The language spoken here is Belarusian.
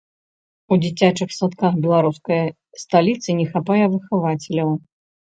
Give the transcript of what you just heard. У дзіцячых садках беларускай сталіцы не хапае выхавацеляў.